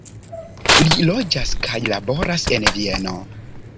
Li loĝas kaj laboras en Vieno.